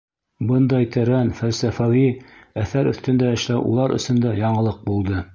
Бындай тәрән фәлсәфәүи әҫәр өҫтөндә эшләү улар өсөн дә яңылыҡ булды.